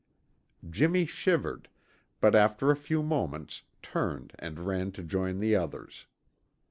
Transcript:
Jimmy shivered, but after a few moments turned and ran to join the others.